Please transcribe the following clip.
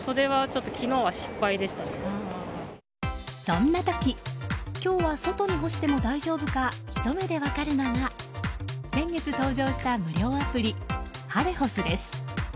そんな時今日は外に干しても大丈夫かひと目で分かるのが先月登場した無料アプリはれほすです。